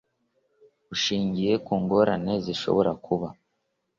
Bushingiye Ku Ngorane Zishobora Kuba